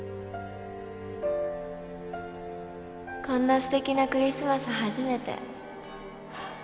こんなすてきなクリスマス初めて